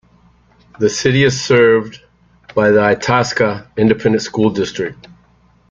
The city is served by the Itasca Independent School District.